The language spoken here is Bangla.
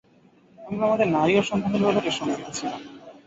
আমরা আমাদের নারী ও সন্তানদের ব্যাপারে শঙ্কিত ছিলাম।